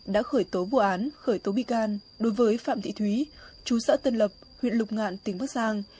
đã khởi tố vụ án khởi tố bị can đối với phạm thị thúy chú xã tân lập huyện lục ngạn tỉnh bắc giang